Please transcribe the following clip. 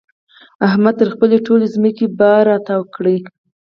احمد تر خپلې ټولې ځمکې باره را تاو کړله.